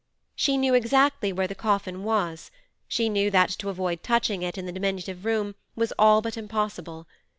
She knew exactly where the coffin was; she knew that to avoid touching it in the diminutive room was all but impossible.